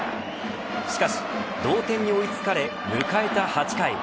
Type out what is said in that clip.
しかし、同点に追い付かれ迎えた８回